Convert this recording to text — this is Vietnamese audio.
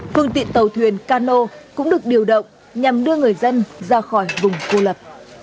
phương tiện tàu thuyền cano cũng được điều động nhằm đưa người dân ra khỏi vùng cô lập